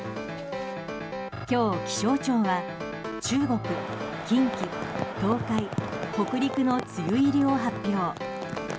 今日、気象庁は中国、近畿・東海、北陸の梅雨入りを発表。